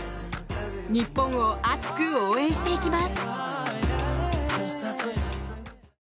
日本を熱く応援していきます！